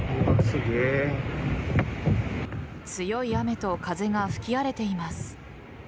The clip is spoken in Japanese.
強い雨と風が吹き荒れています。